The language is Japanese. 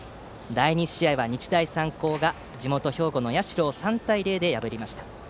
第２試合は日大三高が地元・兵庫の社を３対０で破りました。